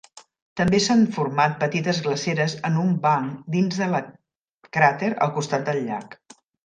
També s'han format petites glaceres en un banc dins de la cràter al costat del llac.